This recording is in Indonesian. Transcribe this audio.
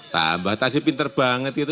tambah tadi pinter banget